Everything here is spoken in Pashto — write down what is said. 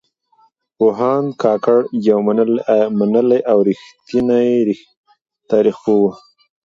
پوهاند کاکړ يو منلی او رښتينی تاريخ پوه و.